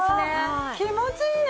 気持ちいいね！